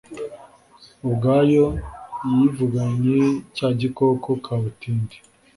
ubwayo yivuganye cya gikoko kabutindi